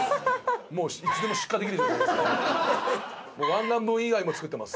いつでも出荷できる状態ですね。